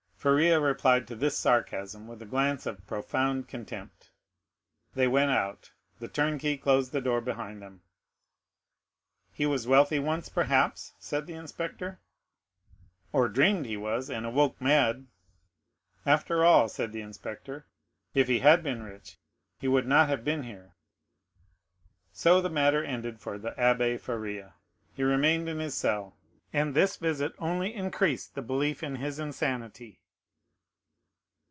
Faria replied to this sarcasm with a glance of profound contempt. They went out. The turnkey closed the door behind them. "He was wealthy once, perhaps?" said the inspector. "Or dreamed he was, and awoke mad." "After all," said the inspector, "if he had been rich, he would not have been here." So the matter ended for the Abbé Faria. He remained in his cell, and this visit only increased the belief in his insanity.